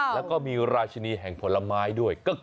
แล้วก็มีราชินีแห่งผลไม้ด้วย